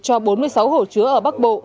cho bốn mươi sáu hồ chứa ở bắc bộ